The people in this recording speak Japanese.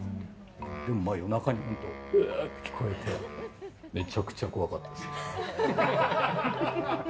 でもまあ夜中にうわあって聞こえてめちゃくちゃ怖かったです。